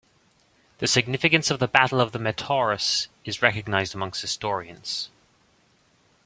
The significance of the Battle of the Metaurus is recognized amongst historians.